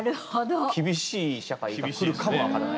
厳しい社会がくるかも分からない。